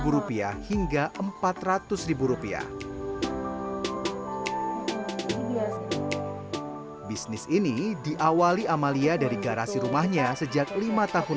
rupiah hingga empat ratus rupiah bisnis ini diawali amalia dari garasi rumahnya sejak lima tahun